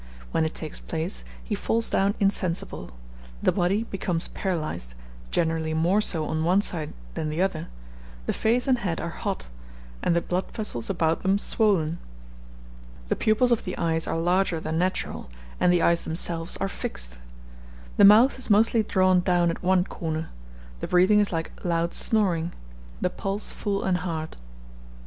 When it takes place, he falls down insensible; the body becomes paralyzed, generally more so on one side than the other; the face and head are hot, and the blood vessels about them swollen; the pupils of the eyes are larger than natural, and the eyes themselves are fixed; the mouth is mostly drawn down at one corner; the breathing is like loud snoring; the pulse full and hard.